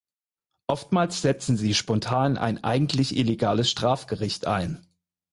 Oftmals setzen sie spontan ein eigentlich illegales Strafgericht ein.